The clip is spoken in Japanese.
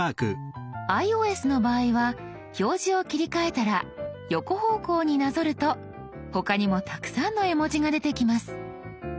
ｉＯＳの場合は表示を切り替えたら横方向になぞると他にもたくさんの絵文字が出てきます。